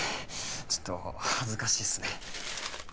ちょっと恥ずかしいっすね。